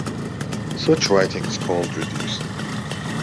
Such writing is called reduced.